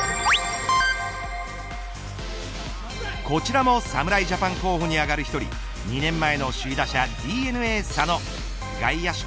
こちらも侍ジャパン候補に挙がる１人２年前の首位打者ＤｅＮＡ佐野。